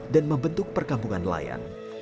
dan membentuk perkampungan nelayan